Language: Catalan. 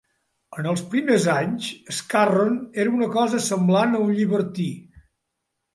En els primers anys, Scarron era una cosa semblant a un llibertí.